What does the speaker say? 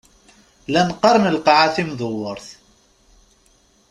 Llan qqaren lqaεa timdewwert.